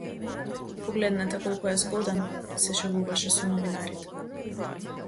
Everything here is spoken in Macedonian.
Погледнете колку е згоден, се шегуваше со новинарите.